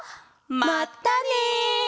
まったね！